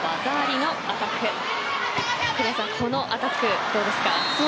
このアタック栗原さん、どうですか。